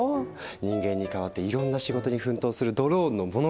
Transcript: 人間に代わっていろんな仕事に奮闘するドローンの物語。